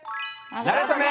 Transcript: なれそめ！